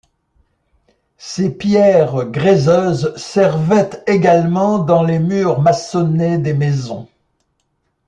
Ces pierres gréseuses servaient également dans les murs maçonnés des maisons.